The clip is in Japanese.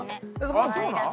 あっそうなん？